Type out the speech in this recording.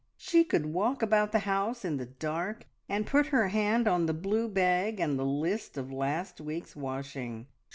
She could walk about the house in the dark and put her hand on the blue bag and the list of last week's washing.